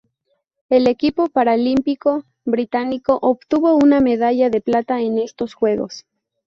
El equipo paralímpico británico obtuvo una medalla de plata en estos Juegos.